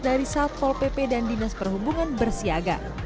dari satpol pp dan dinas perhubungan bersiaga